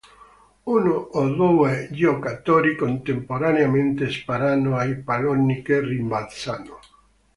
Uno o due giocatori contemporaneamente sparano ai palloni che rimbalzano.